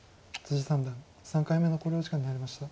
三段３回目の考慮時間に入りました。